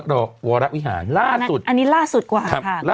ล่าสุดครับล่าสุดคืออันนี้ล่าสุดกว่าค่ะ